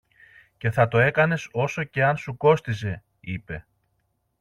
και θα το έκανες όσο και αν σου κόστιζε, είπε.